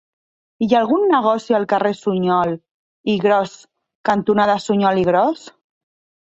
Hi ha algun negoci al carrer Suñol i Gros cantonada Suñol i Gros?